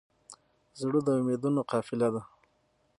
زړه د امیدونو قافله ده.